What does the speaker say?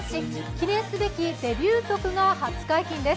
記念すべきデビュー局が初解禁です。